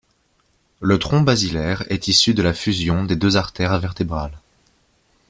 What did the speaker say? Le tronc basilaire est issu de la fusion des deux artères vertébrales.